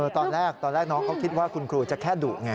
ตอนแรกตอนแรกน้องเขาคิดว่าคุณครูจะแค่ดุไง